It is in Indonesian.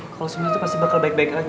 kalo semuanya pasti bakal baik baik aja